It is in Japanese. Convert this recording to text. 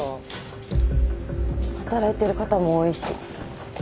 働いてる方も多いし。